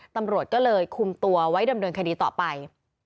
ตำรวจก็เลยคุมตัวไว้ดำเนินคดีต่อไป